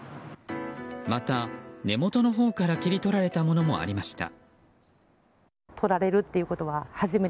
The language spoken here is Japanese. また、根元のほうから切り取られたものもありました。